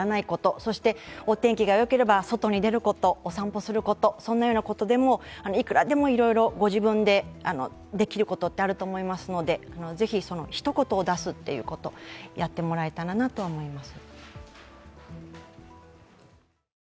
そしてお天気がよければ外に出ること、お散歩すること、そんなようなことでも、いくらでもご自分でできることはあると思いますのでぜひ、一言を出すということをやってもらえたらと思います。